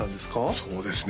そうですね